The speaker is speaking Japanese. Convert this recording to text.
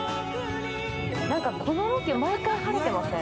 このロケ、毎回晴れてません？